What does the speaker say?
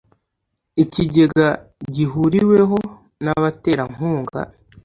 ikigega gihuriweho n abaterankunga